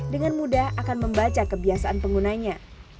dengan mudah akan membaca kebiasaan penggunanya